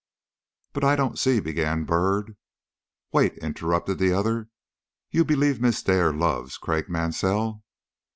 "But, I don't see " began Byrd. "Wait," interrupted the other. "You believe Miss Dare loves Craik Mansell?"